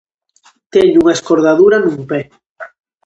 Teño unha escordadura nun pé.